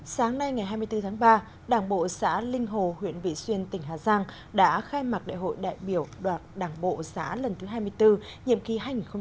sáng nay ngày hai mươi bốn tháng ba đảng bộ xã linh hồ huyện vị xuyên tỉnh hà giang đã khai mạc đại hội đại biểu đoạt đảng bộ xã lần thứ hai mươi bốn nhiệm kỳ hai nghìn hai mươi hai nghìn hai mươi năm